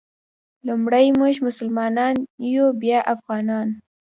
لومړی مونږ مسلمانان یو بیا افغانان.